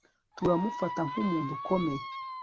Turamufata nkumuntu ukomeye